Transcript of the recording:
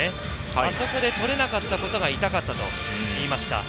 あそこで取れなかったことが痛かったと言いました。